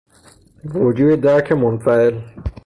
وجوه درک منفعل